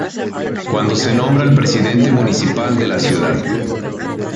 Cuando se nombra al Presidente Municipal de la Cd.